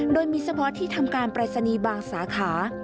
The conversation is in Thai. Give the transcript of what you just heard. โดยมีเฉพาะที่ทำการปรายศนีย์บางสาขา